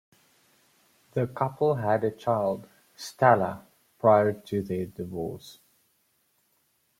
The couple had a child, Stella, prior to their divorce.